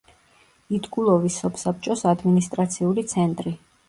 იტკულოვის სოფსაბჭოს ადმინისტრაციული ცენტრი.